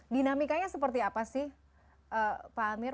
dinamikanya seperti apa sih pak amir